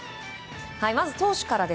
まず投手から。